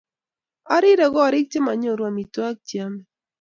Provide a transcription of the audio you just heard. Ariree korik chemayoru amitwokik che yemei